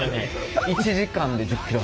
１時間で１０キロ。